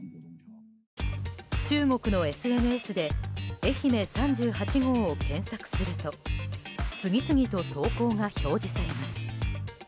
中国のＳＮＳで愛媛３８号を検索すると次々と投稿が表示されます。